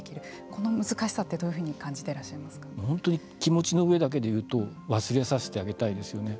この難しさってどういうふうに本当に気持ちの上だけで言うと忘れさせてあげたいですよね。